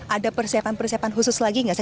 ada persiapan persiapan khusus lagi nggak sih